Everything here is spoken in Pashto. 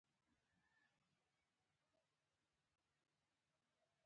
په لويديځي نړۍ کي د يرغل په وړاندي غبرګونونه